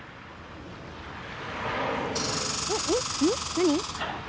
何？